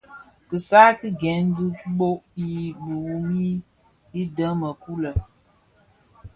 Kisai ki gen dhi bhoo yi biwumi yidèň mëkuu lè.